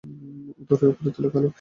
উদরের উপরিতল কালো।